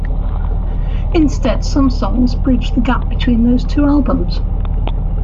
Instead, some songs bridge the gap between those two albums.